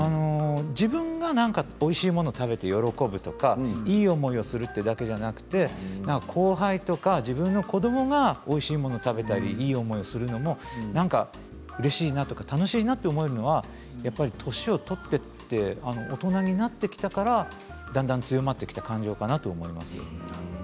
自分がおいしいものを食べて喜ぶとか、いい思いをするだけではなくて後輩とか自分の子どもがおいしいもの食べたりいい思いをするのも、うれしいな楽しいなと思えるのは年を取って大人になってきたからだんだん強まってきた感情かなと思います。